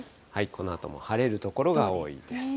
このあとも晴れる所が多いです。